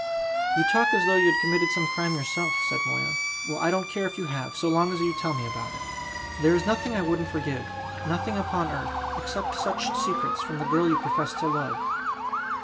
"You talk as though you had committed some crime yourself," said Moya; "well, I don't care if you have, so long as you tell me all about it. There is nothing I wouldn't forgive nothing upon earth except such secrets from the girl you profess to love."